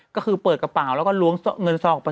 ก็คือเปิดกระเป๋าแล้วรวมเงินซ่องออกไป